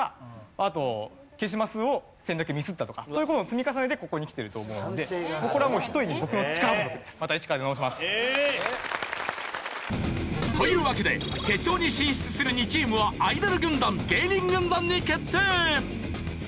あとケシマスを戦略ミスったとかそういう事の積み重ねでここにきてると思うのでこれはもうひとえに僕の力不足です。というわけで決勝に進出する２チームはアイドル軍団芸人軍団に決定。